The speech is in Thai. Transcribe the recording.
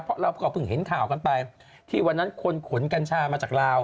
เพราะเราก็เพิ่งเห็นข่าวกันไปที่วันนั้นคนขนกัญชามาจากลาว